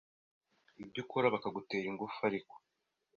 ibyo ukora bakagutera ingufu ariko